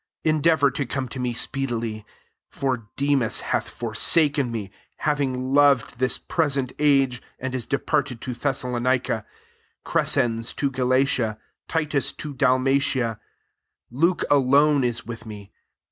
9 Endeavour to'come to me speedily. 10 For Demas hath forsaken me, having loved this present age, and is departed to Thessalonica ; Crescens to Ga latia, Titus to Dalmatia. 11 Luke alone is with me.